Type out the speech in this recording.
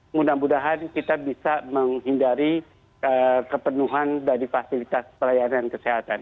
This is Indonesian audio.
mudah mudahan kita bisa menghindari kepenuhan dari fasilitas pelayanan kesehatan